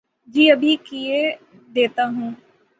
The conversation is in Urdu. جی ابھی کیئے دیتا ہو